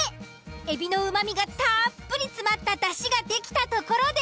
エビのうまみがたっぷり詰まっただしが出来たところで。